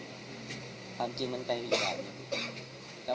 ความจริงมันเป็นอีกแบบนั้น